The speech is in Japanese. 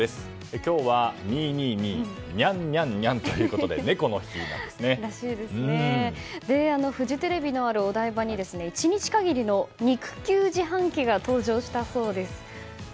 今日は２、２、２ニャンニャンニャンということでフジテレビのあるお台場に１日限りの肉球自販機が登場したそうです。